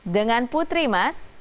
dengan putri mas